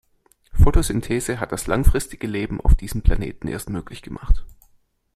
Photosynthese hat das langfristige Leben auf diesem Planeten erst möglich gemacht.